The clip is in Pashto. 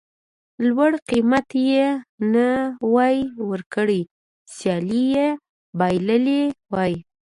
لوړ قېمت یې نه وای ورکړی سیالي یې بایللې وای.